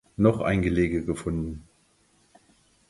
Noch ein Gelege gefunden.